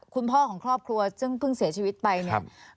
คุณพ่อของครอบครัวซึ่งเพิ่งเสียชีวิตไปเนี่ย